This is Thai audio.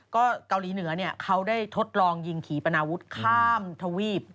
ก็เกาหลีเหนือเขาได้ทดลองยิงขี่ปนาวุฒิข้ามทวีป